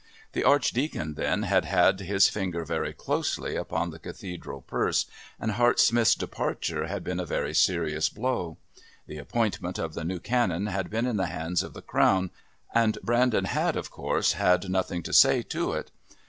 The Archdeacon then had had his finger very closely upon the Cathedral purse, and Hart Smith's departure had been a very serious blow. The appointment of the new Canon had been in the hands of the Crown, and Brandon had, of course, had nothing to say to it.